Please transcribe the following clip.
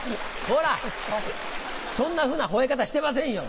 そんなふうな吠え方してませんよ。